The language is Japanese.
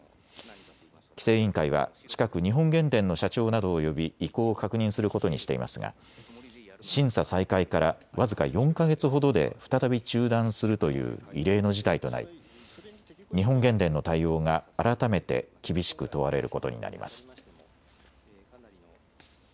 規制委員会は近く日本原電の社長などを呼び意向を確認することにしていますが審査再開から僅か４か月ほどで再び中断するという異例の事態となり日本原電の対応が改めて厳しく問われることになります。